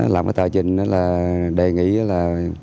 làm với tòa trình là đề nghị là